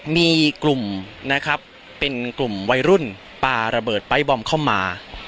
มีกลุ่มนะครับเป็นกลุ่มวัยรุ่นปลาระเบิดไป๊บอมเข้ามา